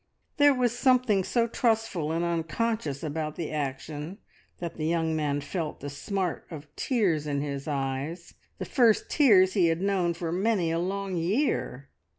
There was something so trustful and unconscious about the action that the young man felt the smart of tears in his eyes the first tears he had known for many a long year.